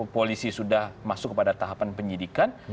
polisi sudah masuk kepada tahapan penyidikan